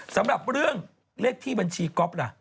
สำหรับเรื่องเลขที่บัญชีก๊อฟล่ะ